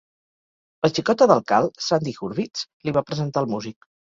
La xicota del Cal, Sandy Hurvitz, li va presentar el músic.